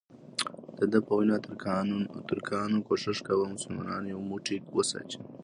دده په وینا ترکانو کوښښ کاوه مسلمانان یو موټی وساتي.